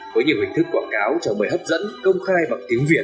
với nhiều hình thức quảng cáo trở mời hấp dẫn công khai bằng tiếng việt